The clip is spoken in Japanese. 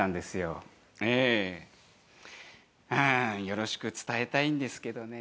よろしく伝えたいんですけどね